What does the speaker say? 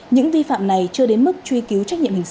những vi phạm này chưa đến mức truy cứu trách nhiệm hình sự